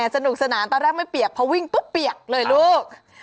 สนุกสนานตอนแรกไม่เปียกพอวิ่งปุ๊บเปียกเลยลูก